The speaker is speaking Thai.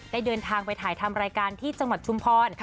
เดินทางไปถ่ายทำรายการที่จังหวัดชุมพร